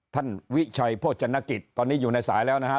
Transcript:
วิชัยโภชนกิจตอนนี้อยู่ในสายแล้วนะฮะ